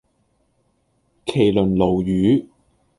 麒麟鱸魚